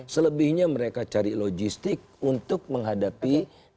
selebihnya mereka cari logistik untuk menghadapi dua ribu dua puluh empat